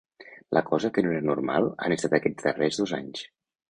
La cosa que no era normal han estat aquests darrers dos anys.